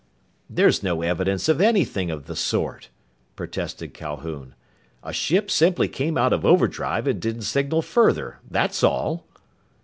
"There's no evidence for anything of the sort," protested Calhoun. "A ship simply came out of overdrive and didn't signal further. That's all!"